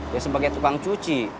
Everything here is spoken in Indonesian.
ya sebagai tukang cuci